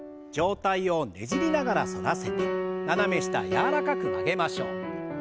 上体をねじりながら反らせて斜め下柔らかく曲げましょう。